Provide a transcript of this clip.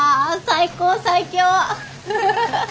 最高最強！